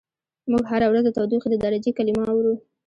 موږ هره ورځ د تودوخې د درجې کلمه اورو.